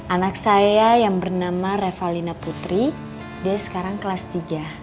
anak saya yang bernama revalina putri dia sekarang kelas tiga